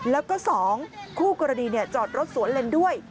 แล้วก็๒คู่กรณีจอดรถสวนเล่นด้วย